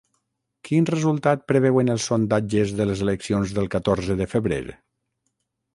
Quin resultat preveuen els sondatges de les eleccions del catorze de febrer?